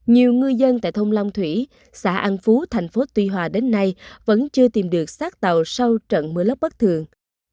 nhiều ngư dân tại thôn long thủy xã an phú tp tuy hòa đến nay vẫn chưa tìm được sát tàu sau trận mưa lấp bất thường